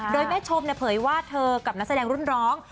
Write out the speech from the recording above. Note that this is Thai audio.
โดยแม่ชมเผยว่าเธอกับนักแสดงรุ่นร้อง